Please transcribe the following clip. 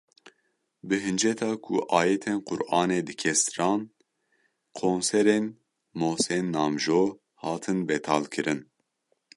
Bi hinceta ku “ayetên Quranê dike stran” konserên Mohsen Namjoo hatin betalkirin.